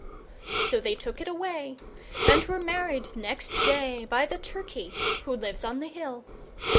So they took it away, and were married next day By the Turkey who lives on the hill.